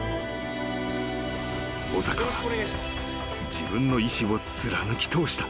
［小坂は自分の意志を貫き通した］